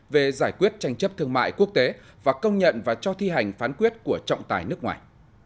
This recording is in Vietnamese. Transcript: về giải quyết tranh chấp thương mại quốc tế và công nhận và cho thi hành phán quyết của trọng tài nước ngoài